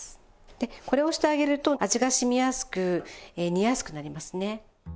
でこれをしてあげると味が染みやすく煮やすくなりますね。